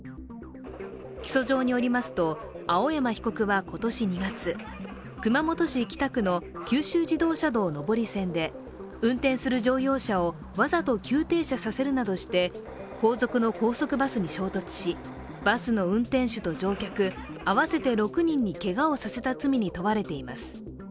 起訴状によりますと、青山被告は今年２月熊本市北区の九州自動車道上り線で運転する乗用車をわざと急停車させるなどして後続の高速バスに衝突しバスの運転手と乗客合わせて６人にけがをさせた罪に問われています。